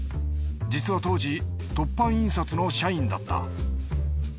実は当時凸版印刷の社員だった。